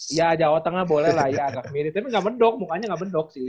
ya jawa tengah boleh lah ya agak mirip tapi nggak bedok mukanya nggak bendok sih